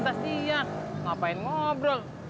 nusa bhanu burstel